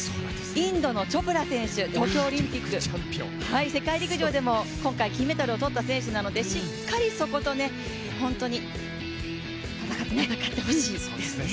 インドのチョプラ選手、東京オリンピック、世界陸上でも、今回金メダルをとった選手なのでしっかり、そこと本当に戦ってほしいですね。